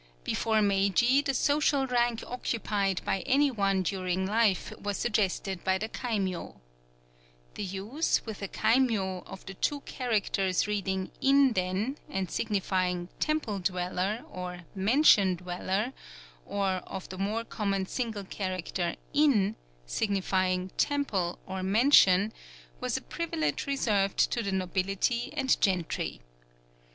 Before Meiji the social rank occupied by any one during life was suggested by the kaimyō. The use, with a kaimyō, of the two characters reading in den, and signifying "temple dweller," or "mansion dweller," or of the more common single character in, signifying "temple" or "mansion," was a privilege reserved to the nobility and gentry.